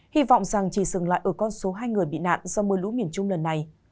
hy vọng rằng chỉ dừng lại ở con số hai người bị nạn do mưa lũ miền trung lần này